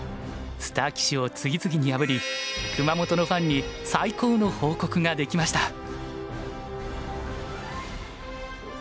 スター棋士を次々に破り熊本のファンに最高の報告ができました。